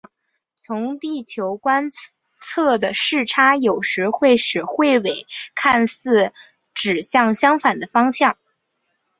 从地球观测的视差有时会使彗尾看似指向相反的方向。